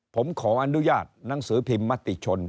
ผมขออนุญาตหนังสือพิมพ์มติชน